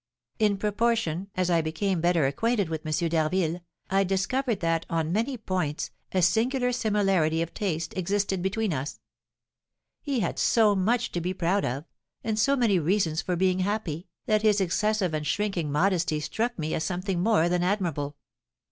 In proportion as I became better acquainted with M. d'Harville, I discovered that, on many points, a singular similarity of taste existed between us. He had so much to be proud of, and so many reasons for being happy, that his excessive and shrinking modesty struck me as something more than admirable.